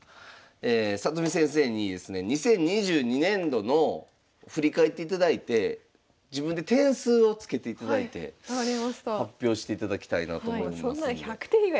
里見先生にですね２０２２年度の振り返っていただいて自分で点数を付けていただいて発表していただきたいなと思います。